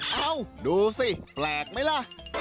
เอ้าดูสิแปลกไหมล่ะ